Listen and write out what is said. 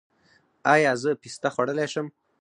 ایا زه پسته خوړلی شم؟